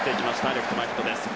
レフト前ヒットです。